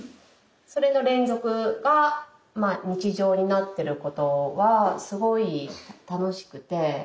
それの連続が日常になってることはすごい楽しくて。